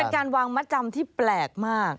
เป็นการวางมัดจำที่แปลกมาก